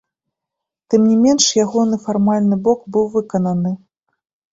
Тым не менш, ягоны фармальны бок быў выкананыя.